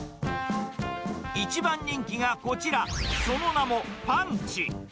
一番人気がこちら、その名もパンチ。